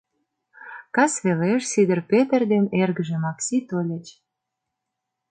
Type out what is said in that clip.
Кас велеш Сидыр Петр ден эргыже Макси тольыч.